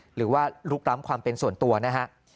หรือว่าลุกล้ำความเป็นส่วนตัวนะฮะ